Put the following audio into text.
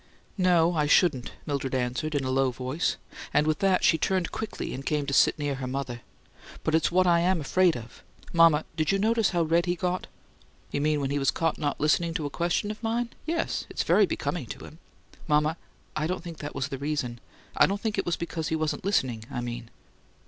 "No, I shouldn't," Mildred answered in a low voice, and with that she turned quickly, and came to sit near her mother. "But it's what I am afraid of! Mama, did you notice how red he got?" "You mean when he was caught not listening to a question of mine? Yes; it's very becoming to him." "Mama, I don't think that was the reason. I don't think it was because he wasn't listening, I mean."